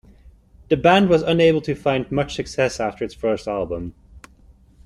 The band was unable to find much success after its first album.